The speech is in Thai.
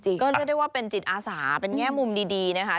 ก็เรียกได้ว่าเป็นจิตอาสาเป็นแง่มุมดีนะคะ